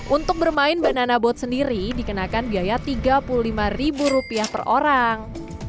untuk bermain banana boat sendiri dikenakan biaya tiga puluh lima ribu rupiah per orang